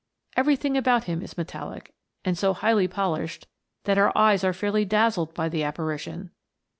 Everything about him is metallic, and so highly polished, that our eyes are fairly dazzled by the apparition.